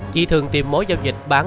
chị thường tìm mối giao dịch bán